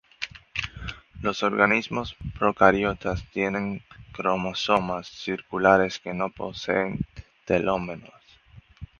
Los organismos procariotas tienen cromosomas circulares que no poseen telómeros.